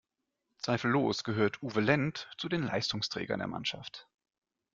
Zweifellos gehört Uwe Lendt zu den Leistungsträgern der Mannschaft.